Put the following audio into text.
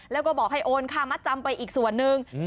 แล้วก็บอกให้โอนค่ามัดจำไปอีกส่วนหนึ่ง